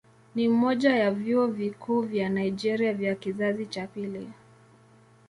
Ni mmoja ya vyuo vikuu vya Nigeria vya kizazi cha pili.